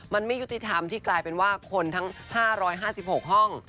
มันไม่ยุติธรรมที่กลายเป็นว่าคนทั้ง๕๕๖ห้อง